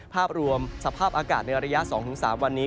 ภาพรวมสภาพอากาศในระยะ๒๓วันนี้